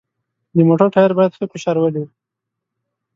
د موټر ټایر باید ښه فشار ولري.